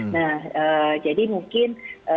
nah jadi mungkin